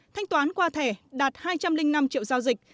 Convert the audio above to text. thanh toán qua thẻ đạt hai trăm linh năm triệu giao dịch